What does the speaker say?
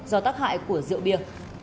do tác hại của rượu bia